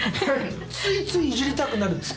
ついついいじりたくなる。